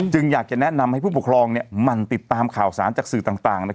อยากจะแนะนำให้ผู้ปกครองหมั่นติดตามข่าวสารจากสื่อต่าง